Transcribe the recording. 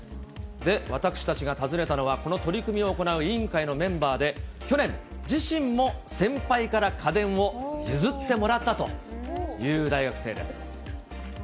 私たちが訪ねたのは、この取り組みを行う委員会のメンバーで、去年、自身も先輩から家電を譲ってもらったという大学生です。